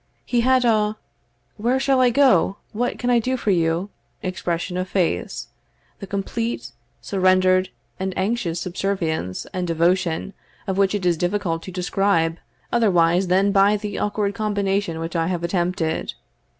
He had a "Where shall I go? What can I do for you?" expression of face; the complete, surrendered, and anxious subservience and devotion of which it is difficult to describe, otherwise than by the awkward combination which I have attempted.